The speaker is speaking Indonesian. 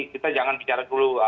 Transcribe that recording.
kita jangan bicara dulu